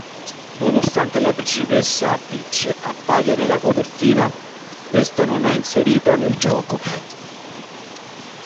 Nonostante la principessa Peach appaia nella copertina, questa non è inserita nel gioco.